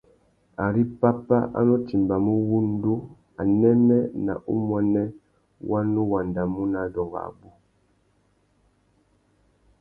Ari pápá a nu timbamú wŭndú, anêmê nà umuênê wa nu wandamú nà adôngô abú.